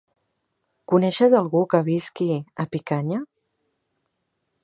Coneixes algú que visqui a Picanya?